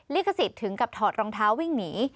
ลิขสิทธิ์ถึงกับถอดรองเท้าวิ่งหนี